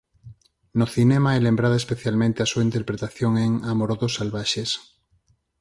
No cinema é lembrada especialmente a súa interpretación en "Amorodos salvaxes".